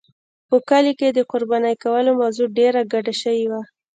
په کلي کې د قربانۍ کولو موضوع ډېره ګډه شوې وه.